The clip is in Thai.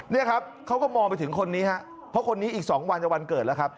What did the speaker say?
นี่ครับเขาก็มองไปถึงคนนี้ฮะเพราะคนนี้อีก๒วันจะวันเกิดแล้วครับ